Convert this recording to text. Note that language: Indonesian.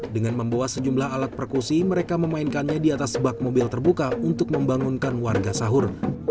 dengan membawa sejumlah alat perkusi mereka memainkannya di atas bak mobil terbuka untuk membangunkan warga sahur